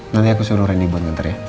nanti aku suruh reni buat nanti ya